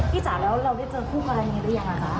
พี่จ๋าแล้วเราได้เจอคู่พระอะไรอย่างนี้หรือยัง